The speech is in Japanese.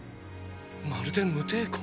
まるで無抵抗！